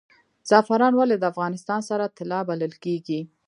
زعفران ولې د افغانستان سره طلا بلل کیږي؟